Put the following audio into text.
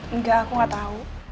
enggak aku gak tau